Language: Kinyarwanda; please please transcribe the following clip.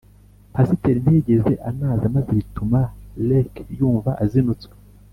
pasiteri ntiyigeze anaza maze bituma Rek yumva azinutswe